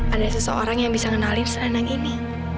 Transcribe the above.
ada seseorang yang bisa ngenalin selendang ini